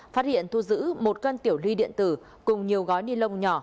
phát hiện thu giữ một cân tiểu ly điện tử cùng nhiều gói ni lông nhỏ